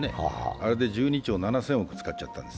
あれで１２兆７０００億、使っちゃった。